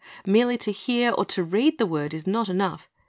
Merely to hear or to read the word is not enough.